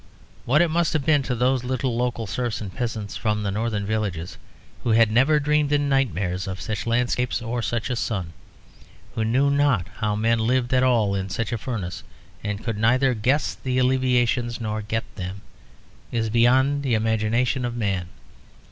What it must have been to those little local serfs and peasants from the Northern villages, who had never dreamed in nightmares of such landscapes or such a sun, who knew not how men lived at all in such a furnace and could neither guess the alleviations nor get them, is beyond the imagination of man.